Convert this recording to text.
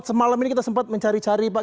semalam ini kita sempat mencari cari pak